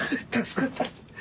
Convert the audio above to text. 助かった。